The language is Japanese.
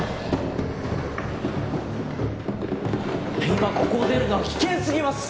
今ここを出るのは危険すぎます。